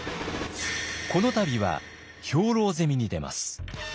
この度は兵糧攻めに出ます。